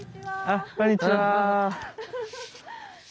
あっこんにちは。